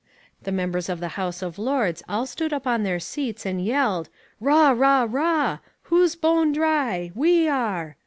The members of the House of Lords all stood up on their seats and yelled, "Rah! Rah! Rah! Who's bone dry? We are!"